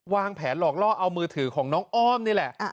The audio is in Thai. วางแผนหลอกล่อเอามือถือของน้องอ้อมนี่แหละ